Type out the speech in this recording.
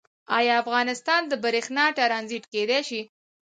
آیا افغانستان د بریښنا ټرانزیټ کیدی شي؟